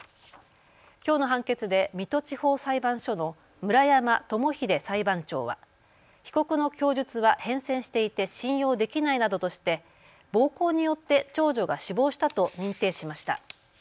きょうの判決で水戸地方裁判所の村山智英裁判長は被告の供述は変遷していて信用できないなどとして暴行によって長女が死亡したと認定しました。